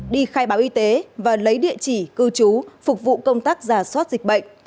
đi khai báo y tế và lấy địa chỉ cư trú phục vụ công tác giả soát dịch bệnh